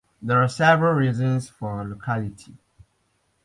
There are several reasons for locality.